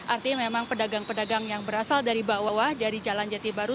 artinya memang pedagang pedagang yang berasal dari bawah dari jalan jati baru